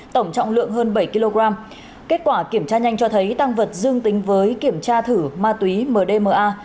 tổng trọng lượng hơn bảy kg kết quả kiểm tra nhanh cho thấy tăng vật dương tính với kiểm tra thử ma túy mdma